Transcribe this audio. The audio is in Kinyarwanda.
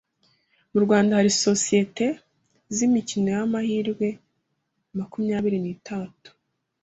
mu Rwanda hari sosiyete z’imikino y’amahirwe makumyabiri nitatu.